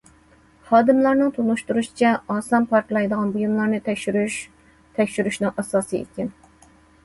خادىملارنىڭ تونۇشتۇرۇشىچە، ئاسان پارتلايدىغان بۇيۇملارنى تەكشۈرۈش تەكشۈرۈشنىڭ ئاساسىي ئىكەن.